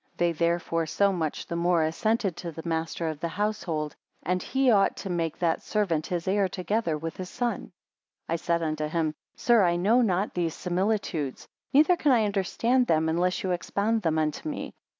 23 They therefore so much the more assented to the master of the household; and he ought to make that servant his heir together with his son. 24 I said unto him, sir, I know not these similitudes, neither can I understand them, unless you expound them unto me.